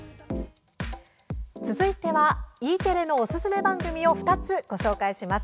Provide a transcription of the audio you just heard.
続いては、Ｅテレのおすすめ番組を２つご紹介します。